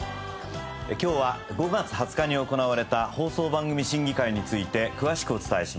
今日は５月２０日に行われた放送番組審議会について詳しくお伝えします。